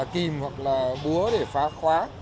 kìm hoặc là búa để phá khóa